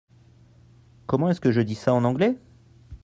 Comment est-ce que je dis ça en anglais ?